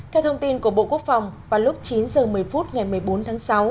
theo thông tin của bộ quốc phòng vào lúc chín h một mươi phút ngày một mươi bốn tháng sáu